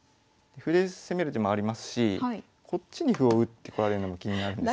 歩で攻める手もありますしこっちに歩を打ってこられるのも気になるんですよね。